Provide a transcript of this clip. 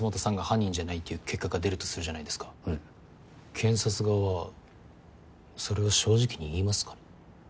検察側はそれを正直に言いますか？